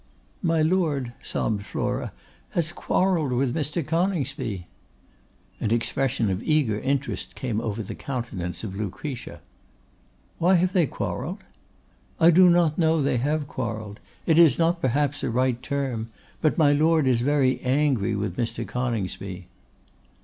'My Lord,' sobbed Flora, 'has quarrelled with Mr. Coningsby.' An expression of eager interest came over the countenance of Lucretia. 'Why have they quarrelled?' 'I do not know they have quarrelled; it is not, perhaps, a right term; but my Lord is very angry with Mr. Coningsby.